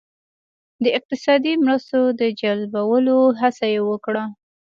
د اقتصادي مرستو د جلبولو هڅه یې وکړه.